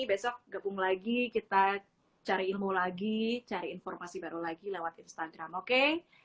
besok gabung lagi kita cari ilmu lagi cari informasi baru lagi lewat instagram oke